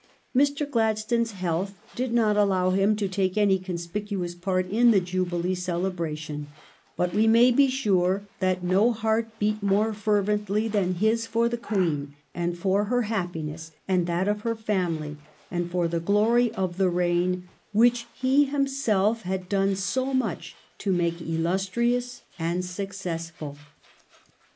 Mr. Gladstone's health did not allow him to take any conspicuous part in the Jubilee celebration; but we may be sure that no heart beat more fervently than his for the Queen, and for her happiness, and that of her family, and for the glory of the reign which he himself had done so much to make illustrious and successful.